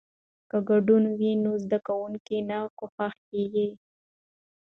که ګډون وي نو زده کوونکی نه ګوښه کیږي.